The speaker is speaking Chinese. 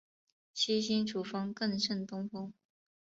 七星主峰更胜东峰